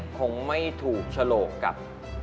คงไม่ถูกฉลกกับ